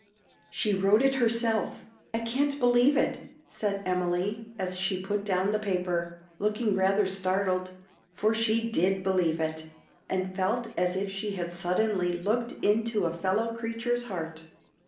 "She wrote it herself! I can't believe it!" said Emily, as she put down the paper, looking rather startled, for she DID believe it, and felt as if she had suddenly looked into a fellow creature's heart.